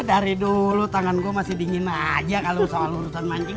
dari dulu tangan gue masih dingin aja kalau soal urusan mancing